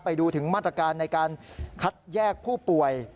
ไปดูถึงมาตรการในการคัดแยกผู้ป่วย